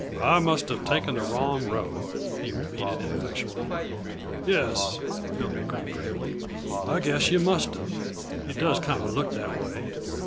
"I must have taken the wrong road," he repeated ineffectually. "Yes," Billy agreed gravely, "I guess yuh must of; it does kinda look that way."